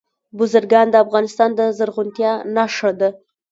بزګان د افغانستان د زرغونتیا نښه ده.